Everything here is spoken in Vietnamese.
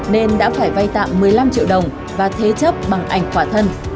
nên đã phải vay tạm một mươi năm triệu đồng và thế chấp bằng ảnh quả thân